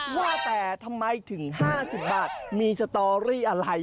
ว่าแต่ทำไมถึง๕๐บาทมีสตอรี่อะไร